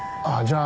ああ